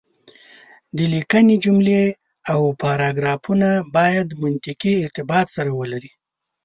د ليکنې جملې او پاراګرافونه بايد منطقي ارتباط سره ولري.